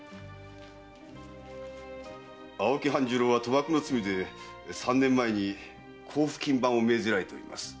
青木半十郎は賭博の罪で三年前に甲府勤番を命ぜられております。